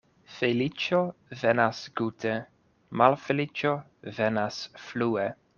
Feliĉo venas gute, malfeliĉo venas flue.